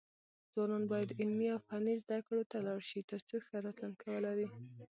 ځوانان بايد علمي او فني زده کړو ته لاړ شي، ترڅو ښه راتلونکی ولري.